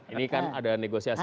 ini kan ada negosiasi